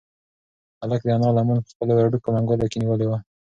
هلک د انا لمن په خپلو وړوکو منگولو کې نیولې وه.